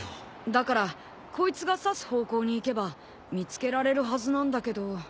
だからこいつが指す方向に行けば見つけられるはずなんだけど。